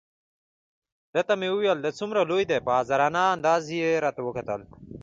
ده ته مې وویل: دا څومره لوی دی؟ په عذرانه انداز یې را وکتل.